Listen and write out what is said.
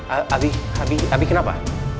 abi abi kenapa